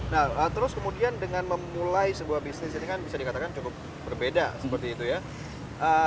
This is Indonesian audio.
nah terus kemudian dengan memulai sebuah bisnis ini kan bisa dikatakan cukup berbeda seperti itu ya